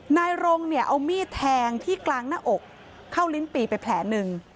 นายรงเนี่ยเอามีดแทงที่กลางหน้าอกเข้าลิ้นปีไปแผลหนึ่ง